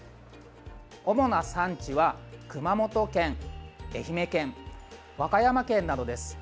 主な産地は、熊本県、愛媛県和歌山県などです。